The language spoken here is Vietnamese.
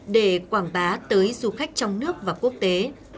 để quảng bá tới du khách trong nước và quốc tế